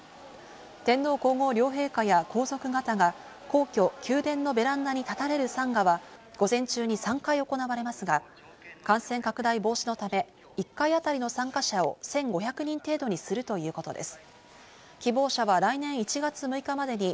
天皇皇后両陛下や皇族方が皇居・宮殿のベランダに立たれる参賀は、午前中に３回行われますが、感染拡大防止のため１回あたりの参加者を１５００人程度にするということです。